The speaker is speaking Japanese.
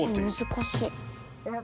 難しい。